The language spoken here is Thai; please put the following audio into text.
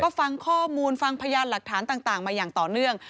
ก็ฟังข้อมูลฟังพยานหลักฐานต่างมาอย่างต่อเนื่อง